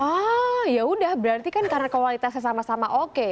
ah ya udah berarti kan karena kualitasnya sama sama oke ya